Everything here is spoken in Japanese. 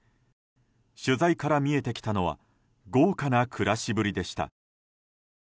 取材から見えてきたのは豪華な暮らしぶりでした。